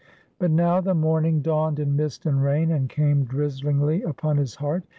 But now the morning dawned in mist and rain, and came drizzlingly upon his heart.